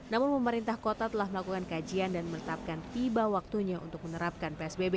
namun pemerintah kota telah melakukan kajian dan menetapkan tiba waktunya untuk menerapkan psbb